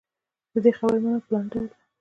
د دې خبرې معنا په لاندې ډول ده.